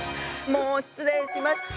もう失礼しました。